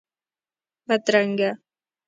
بدرنګه